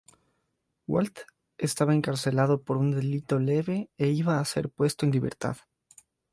Walt estaba encarcelado por un delito leve e iba a ser puesto en libertad.